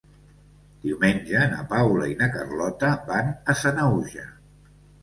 Diumenge na Paula i na Carlota van a Sanaüja.